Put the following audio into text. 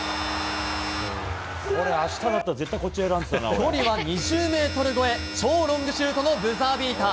距離は２０ｍ超え超ロングシュートのブザービーター。